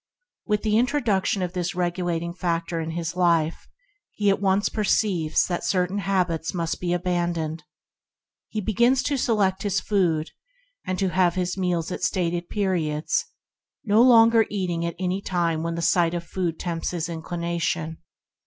With the introduction of this regulating factor in his life, he perceives at once that certain habits must be abandoned. He begins to select his food, and to have his meals at stated periods, no longer eating at any time that the sight of food tempts his inclination.